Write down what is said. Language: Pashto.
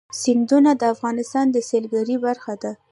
سیندونه د افغانستان د سیلګرۍ برخه ده.